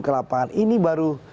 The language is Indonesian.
ke lapangan ini baru